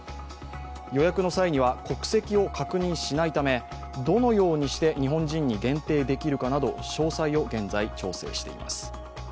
予約の際には国籍を確認しないためどのようにして日本人に限定できるかなど詳細を現在、調整しています。